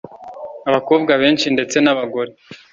Abakobwa benshi ndetse n'abagore,